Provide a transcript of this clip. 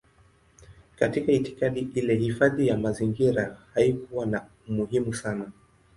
Katika itikadi ile hifadhi ya mazingira haikuwa na umuhimu sana.